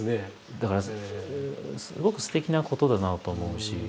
だからすごくすてきなことだなと思うし。